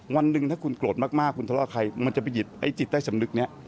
วันหนึ่งถ้าคุณโกรธมากคุณทะเลาะใครมันจะไปหยิบไอ้จิตใต้สำนึกนี้